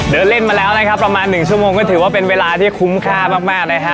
เดินเล่นมาแล้วนะครับประมาณ๑ชั่วโมงก็ถือว่าเป็นเวลาที่คุ้มค่ามากนะฮะ